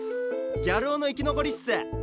ギャル男の生き残りっす！